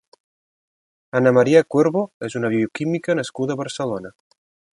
Ana María Cuervo és una bioquímica nascuda a Barcelona.